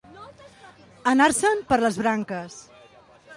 Anar-se'n per les branques.